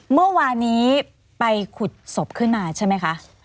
เมื่อวานนี้ไปขุดศพขึ้นมาใช่ไหมคะ